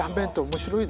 面白い。